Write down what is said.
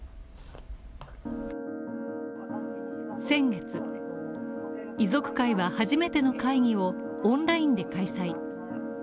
先月、遺族会は初めての会議をオンラインで開催。